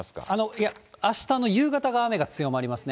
いや、あしたの夕方が雨が強まりますね。